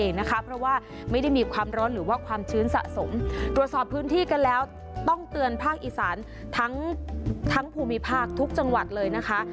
เพราะว่าไม่ได้มีความร้อนหรือว่าความชื้นสะสมตรวจสอบพื้นที่กันแล้วต้องเตือนภาคอีสานทั้งภูมิภาคทุกจังหวัดเลยนะคะ